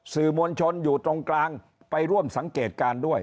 สื่อมวลชนอยู่ตรงกลางไปร่วมสังเกตการณ์ด้วย